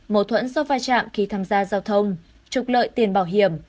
mâu thuẫn do vai trạm khi tham gia giao thông trục lợi tiền bảo hiểm